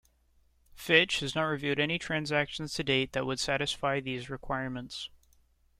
Fitch has not reviewed any transaction to date that would satisfy these requirements.